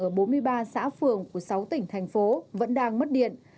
ở bốn mươi ba xã phường của sáu tỉnh thành phố vẫn đang mất điện